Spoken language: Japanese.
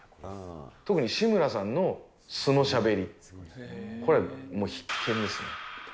特に志村さんの素のしゃべり、これ、必見ですね。